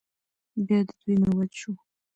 بيا د دوی نوبت شو.